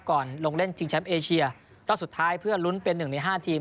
ลงเล่นชิงแชมป์เอเชียรอบสุดท้ายเพื่อลุ้นเป็นหนึ่งในห้าทีม